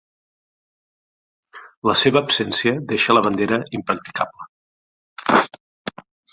La seva absència deixa la bandera impracticable.